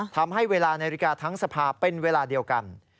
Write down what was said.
ทำให้เวลานาฬิกาทั้งสภาเป็นเวลาเดียวกัน